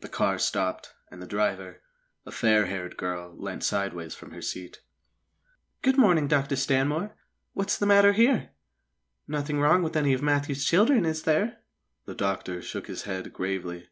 The car stopped, and the driver, a fair haired girl, leant sideways from her seat. "Good morning, Dr. Stanmore! What's the matter here? Nothing wrong with any of Matthew's children, is there?" The Doctor shook his head gravely.